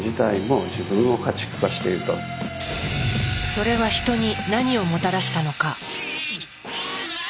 それはヒトに何をもたらしたのか。